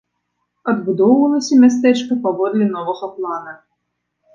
Адбудоўвалася мястэчка паводле новага плана.